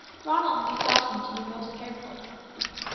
Ronald besought him to be most careful.